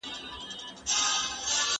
دا پروسه د لنډې مودې لپاره نه ده ډیزاین سوې.